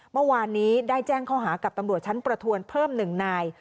เมื่อวานนี้ได้แจ้งข้อหากับตำรวจชั้นประทวนเพิ่ม๑นาย